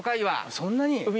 そんなに？